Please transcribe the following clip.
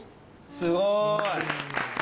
すごい。